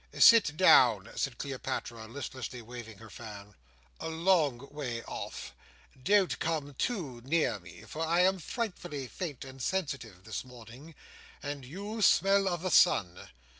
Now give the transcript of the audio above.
"Sit down," said Cleopatra, listlessly waving her fan, "a long way off. Don't come too near me, for I am frightfully faint and sensitive this morning, and you smell of the Sun.